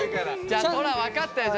じゃあトラ分かったよ。